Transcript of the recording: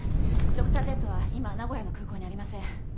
ドクタージェットは今は名古屋の空港にありません。